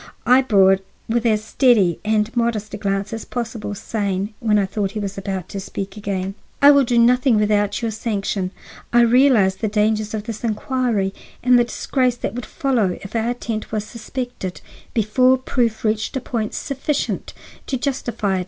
I bore it with as steady and modest a glance as possible, saying, when I thought he was about to speak again: "I will do nothing without your sanction. I realize the dangers of this inquiry and the disgrace that would follow if our attempt was suspected before proof reached a point sufficient to justify it.